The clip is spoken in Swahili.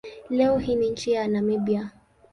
Leo hii ni nchi ya Namibia.